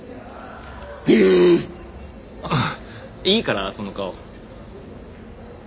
いいからその顔。